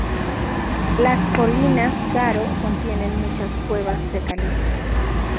Las colinas Garo contienen muchas cuevas de caliza.